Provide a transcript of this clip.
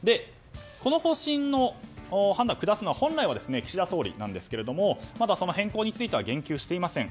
この方針の判断を下すのは本来は岸田総理ですがまだその変更については言及していません。